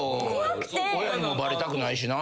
親にもバレたくないしな。